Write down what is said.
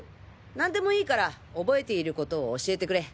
何でもいいから覚えている事を教えてくれ。